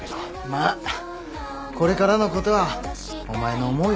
まあこれからのことはお前の思うようにしろ。